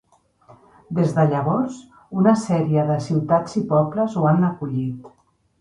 Des de llavors, una sèrie de ciutats i pobles ho han acollit.